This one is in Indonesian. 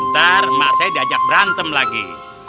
ntar emak saya diajak berantem lagi